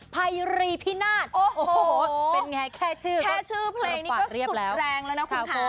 ภัยรีพินาศโอ้โหเป็นไงแค่ชื่อแค่ชื่อเพลงนี้ก็สุดแรงแล้วนะคุณค่ะ